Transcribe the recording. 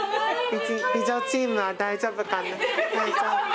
美女チームは大丈夫かな。